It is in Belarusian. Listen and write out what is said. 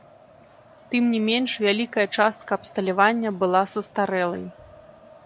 Тым не менш, вялікая частка абсталявання была састарэлай.